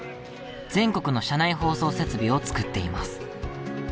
全国の車内放送設備を作っています。